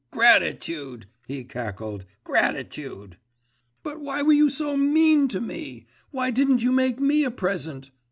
"Gratitude!…" he cackled, "gratitude!" But why were you so mean to me? Why didn't you make me a present?